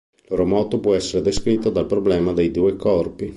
Il loro moto può essere descritto dal problema dei due corpi.